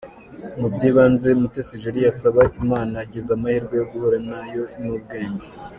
Mu by’ibanze Mutesi Jolly yasaba Imana agize amahirwe yo guhura nayo “ni ubwenge”.